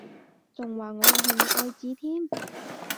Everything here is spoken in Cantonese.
仲話我係你愛子添？